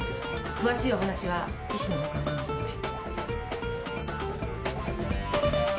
詳しいお話は医師のほうからありますので。